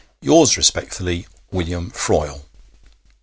'Yours respectfully, 'WILLIAM FROYLE.'